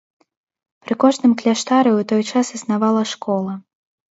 Пры кожным кляштары ў той час існавала школа.